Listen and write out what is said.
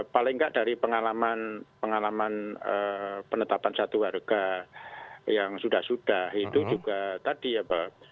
paling nggak dari pengalaman pengalaman penetapan satu harga yang sudah sudah itu juga tadi ya pak